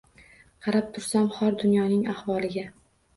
Qarab tursam xor dunyoning ahvoliga